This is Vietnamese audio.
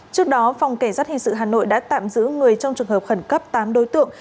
trước đó phòng cảnh sát hình sự hà nội đã tạm giữ người trong trường hợp khẩn cấp tám đối tượng